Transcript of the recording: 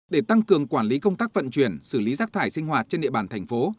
để tăng cường quản lý công tác vận chuyển xử lý rác thải sinh hoạt trên địa bàn thành phố